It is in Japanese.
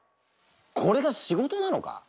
これが仕事なのか！？